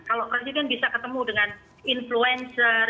kalau presiden bisa ketemu dengan influencer